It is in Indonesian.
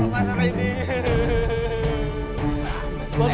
kalau pasar ini